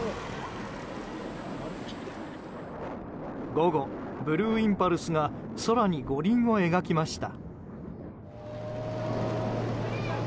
午後、ブルーインパルスが空に五輪を描きました。